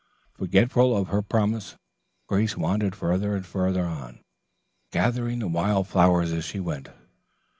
Forgetful of her promise, Grace wandered farther and farther on, gathering the wild flowers as she went.